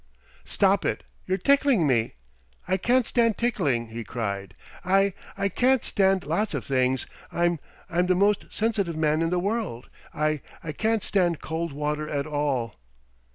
"Stop it! You're tickling me. I can't stand tickling!" he cried. "I I can't stand lots of things. I'm I'm the most sensitive man in the world. I I can't stand cold water at all."